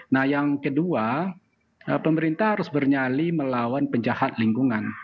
nah yang kedua pemerintah harus bernyali melawan penjahat lingkungan